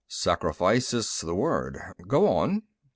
"'Sacrifice' is the word. Go on."